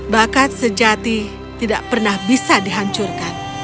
bakat sejati tidak pernah bisa dihancurkan